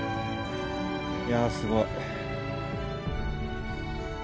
いやすごい。